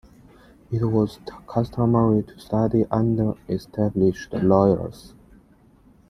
It was customary to study under established lawyers.